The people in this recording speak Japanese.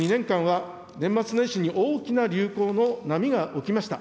過去２年間は年末年始に大きな流行の波が起きました。